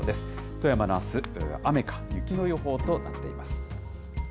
富山のあす、雨か雪の予報となっています。